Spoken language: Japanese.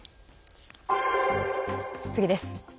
次です。